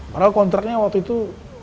padahal kontraknya waktu itu